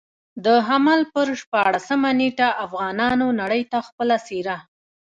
د حمل پر شپاړلسمه نېټه افغانانو نړۍ ته خپله څېره.